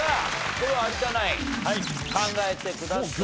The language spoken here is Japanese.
では有田ナイン考えてください。